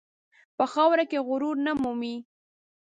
په خاوره کې غرور نه مومي.